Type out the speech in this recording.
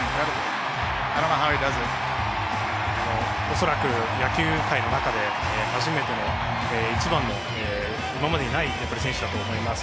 恐らく野球界の中で初めての一番の、今までにない選手だと思います。